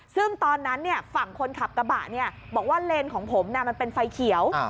ซึ่งตอนนั้นฝั่งคนขับกระบะบอกว่าเลนของผมมันเป็นไฟเขียว